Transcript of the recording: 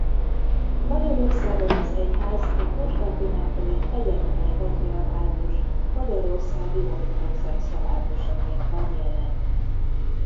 Magyarországon az egyház a Konstantinápolyi Egyetemes Patriarchátus Magyarországi Orthodox Exarchátusaként van jelen.